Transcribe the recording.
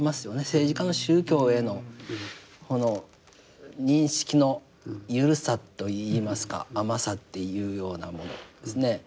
政治家の宗教へのこの認識の緩さといいますか甘さっていうようなものですね。